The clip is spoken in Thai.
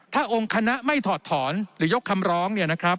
ถ้าองค์คณะไม่ถอดถอนหรือยกคำร้อง